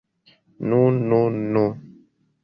Nu, nu, nu!